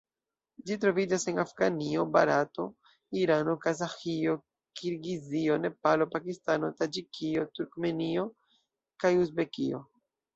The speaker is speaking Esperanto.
Ĝi troviĝas en Afganio, Barato, Irano, Kazaĥio, Kirgizio, Nepalo, Pakistano, Taĝikio, Turkmenio kaj Uzbekio.